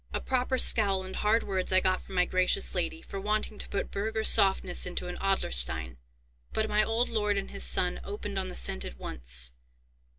A proper scowl and hard words I got from my gracious Lady, for wanting to put burgher softness into an Adlerstein; but my old lord and his son opened on the scent at once.